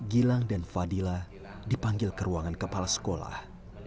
gilang dan fadila dipanggil ke ruangan kepala sekolah